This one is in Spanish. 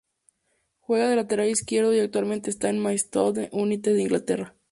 Juega de lateral izquierdo y actualmente está en el Maidstone United de Inglaterra.